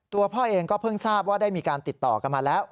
พ่อเองก็เพิ่งทราบว่าได้มีการติดต่อกันมาแล้ว